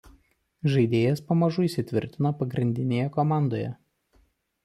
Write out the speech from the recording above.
Žaidėjas pamažu įsitvirtino pagrindinėje komandoje.